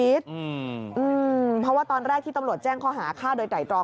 เพราะว่าตอนแรกที่ตำรวจแจ้งข้อหาฆ่าโดยไตรตรอง